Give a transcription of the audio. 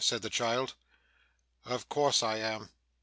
said the child. 'Of course I am.